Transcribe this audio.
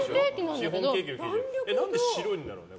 何で白いんだろう。